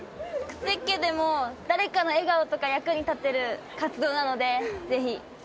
くせっ毛でも、誰かの笑顔とか役に立てる活動なので、ぜひ。